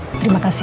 ya terima kasih